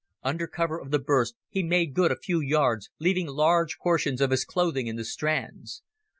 Under cover of the burst he made good a few yards, leaving large portions of his clothing in the strands.